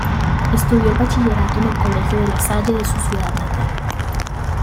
Estudió el bachillerato en el Colegio de La Salle de su ciudad natal.